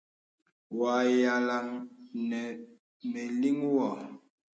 Wɔ à yàlaŋ nə mə̀ liŋ wɔ.